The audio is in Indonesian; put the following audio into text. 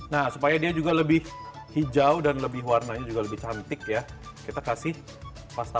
nah supaya dia juga lebih hijau dan lebih warnanya juga lebih cantik ya kita kasih pasta